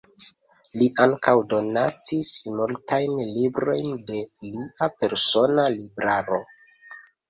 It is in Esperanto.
Li ankaŭ donacis multajn librojn de lia persona libraro.